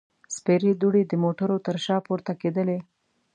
سپېرې دوړې د موټرو تر شا پورته کېدلې.